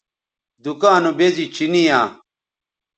دکاں نو بیزی چینی یاں